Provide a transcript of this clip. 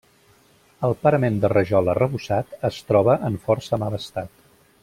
El parament de rajol arrebossat es troba en força mal estat.